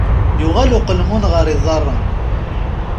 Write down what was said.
Yuɣal uqelmun ɣer yiḍarren.